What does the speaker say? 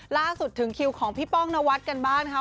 ล่าสุดถึงคิวของพี่ป้องนวัดกันบ้างนะคะ